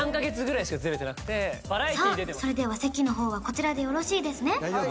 それでは席の方はこちらでよろしいですね？